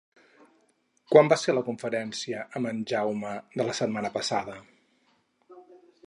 Quan va ser la conferència amb en Jaume de la setmana passada?